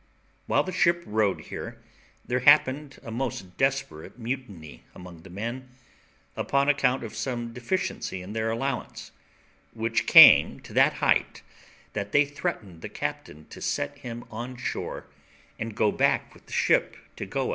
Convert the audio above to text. While the ship rode here there happened a most desperate mutiny among the men, upon account of some deficiency in their allowance, which came to that height that they threatened the captain to set him on shore, and go back with the ship to Goa.